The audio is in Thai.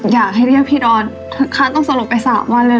อยากให้เรียบขี้ดอนค่าต้องสรุปไปสามวันเลยเหรอ